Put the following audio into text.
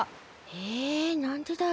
えなんでだろう？